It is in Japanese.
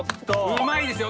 うまいですよ。